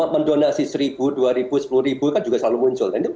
mendonasi seribu dua ribu sepuluh ribu kan juga selalu muncul